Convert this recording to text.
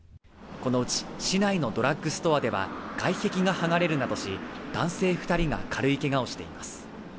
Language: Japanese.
このうち市内のドラッグストアでは外壁が剥がれるなどし男性２人が軽いけがをしています。